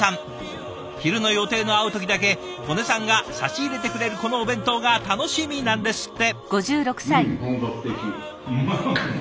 昼の予定の合う時だけ刀祢さんが差し入れてくれるこのお弁当が楽しみなんですって。